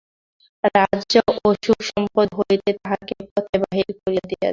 রাজ্য ও সুখসম্পদ হইতে তাঁহাকে পথে বাহির করিয়া দিয়াছে।